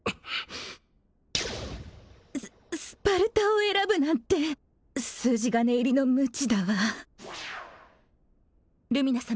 ススパルタを選ぶなんて筋金入りの無知だわルミナ様